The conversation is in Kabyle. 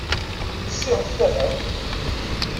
Ssiɣet tafat!